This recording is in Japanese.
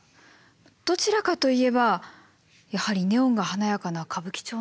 どちらかといえばやはりネオンが華やかな歌舞伎町の方ですかね。